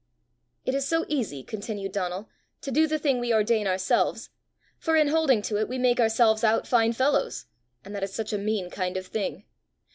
"It is so easy," continued Donal, "to do the thing we ordain ourselves, for in holding to it we make ourselves out fine fellows! and that is such a mean kind of thing!